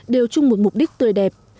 đều chung một mục đích tươi đẹp